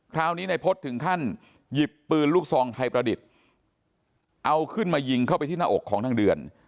คราวนี้นายพฤษถึงขั้นหยิบปืนลูกซองไทยประดิษฐ์เอาขึ้นมายิงเข้าไปที่หน้าอกของนางเดือน